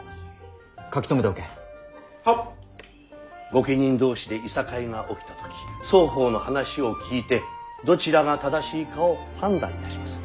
御家人同士でいさかいが起きた時双方の話を聞いてどちらが正しいかを判断いたします。